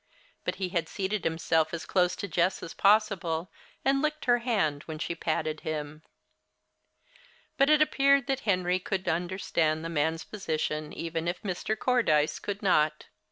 But he had seated himself as close to Jess as possible, and licked her hand when she patted him. But it appeared that Henry could understand the man's position even if Mr. Cordyce could not.